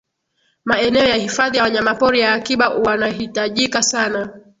maeneo ya hifadhi ya wanyamapori ya akiba uanahitajika sana